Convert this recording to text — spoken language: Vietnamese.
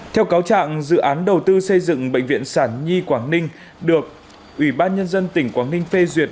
theo cáo trạng dự án đầu tư xây dựng bệnh viện sản nhi quảng ninh được ubnd tỉnh quảng ninh phê duyệt